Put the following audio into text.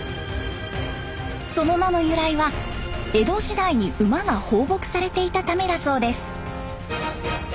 その名の由来は江戸時代に馬が放牧されていたためだそうです。